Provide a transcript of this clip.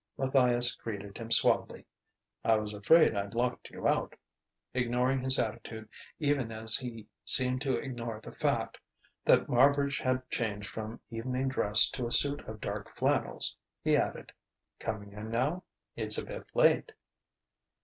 Matthias greeted him suavely: "I was afraid I'd locked you out." Ignoring his attitude even as he seemed to ignore the fact that Marbridge had changed from evening dress to a suit of dark flannels, he added: "Coming in now? It's a bit late."